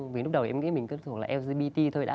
vì lúc đầu em nghĩ mình cứ thường là lgbt thôi đã